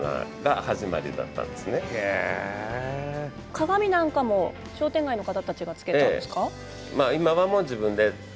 鏡なんかも商店街の方たちが付けたんですか？